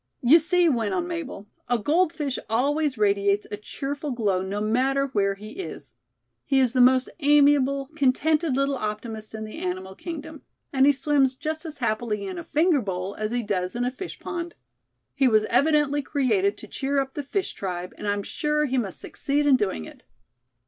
"You see," went on Mabel, "a gold fish always radiates a cheerful glow no matter where he is. He is the most amiable, contented little optimist in the animal kingdom, and he swims just as happily in a finger bowl as he does in a fish pond. He was evidently created to cheer up the fish tribe and I'm sure he must succeed in doing it."